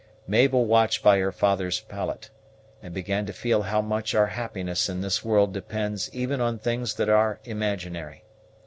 Mabel watched by her father's pallet, and began to feel how much our happiness in this world depends even on things that are imaginary.